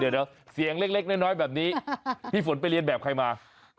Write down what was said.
เดี๋ยวเสียงเล็กน้อยแบบนี้พี่ฝนไปเรียนแบบใครมา